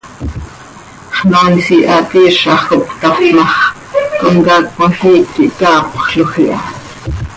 Xnoois ihaat iizax cop cötafp ma x, comcaac cmajiic quih caapxloj iha.